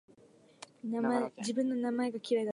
自分の名前が嫌いだった